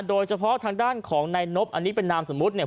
โดยเฉพาะทางด้านของนายนบอันนี้เป็นนามสมมุติเนี่ย